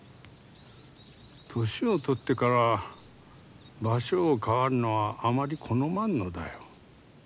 年を取ってから場所を変わるのはあまり好まんのだよ。